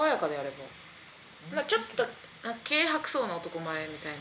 ちょっと軽薄そうな男前みたいな。